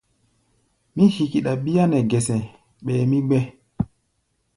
Mí hikiɗa bíá nɛ gɛsɛ, ɓɛɛ mí gbɛ́.